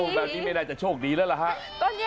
แบบนี้ไม่ได้จะโชคดีแล้วหรอฮะ